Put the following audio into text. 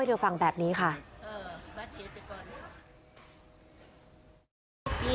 สวัสดีครับ